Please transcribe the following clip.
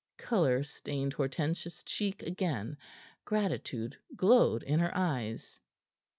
Color stained Hortensia's cheek again; gratitude glowed in her eyes.